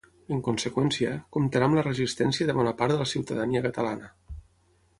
En conseqüència, comptarà amb la resistència de bona part de la ciutadania catalana.